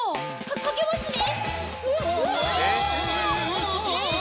かけますね。